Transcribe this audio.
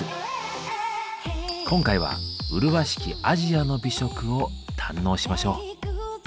今回は麗しき「アジアの美食」を堪能しましょう。